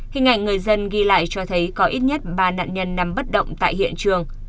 hình ảnh người dân ghi lại cho thấy có ít nhất ba nạn nhân nằm bất động tại hiện trường